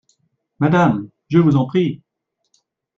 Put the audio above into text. Madame !… je vous en prie !…